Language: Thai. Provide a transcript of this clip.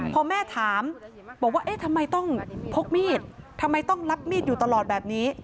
พอแม่ถามบอกว่าเอ๊ะทำไมต้องพกมีดทำไมต้องรับมีดอยู่ตลอดแบบนี้